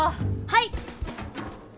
はい！